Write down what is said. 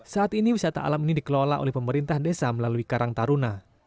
saat ini wisata alam ini dikelola oleh pemerintah desa melalui karang taruna